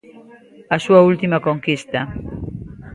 A súa última conquista.